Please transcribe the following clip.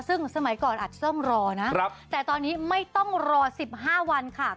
ซึ่งสมัยก่อนอัดซ่อมรอนะแต่ตอนนี้ไม่ต้องรอ๑๕วันค่ะ